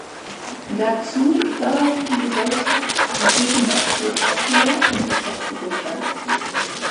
Dazu förderte die Gesellschaft die Gegenwarts-Literatur und Beschäftigung damit.